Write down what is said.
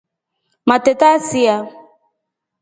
Matreta yasia.